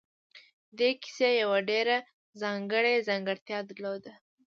دې کيسې يوه ډېره ځانګړې ځانګړتيا درلوده.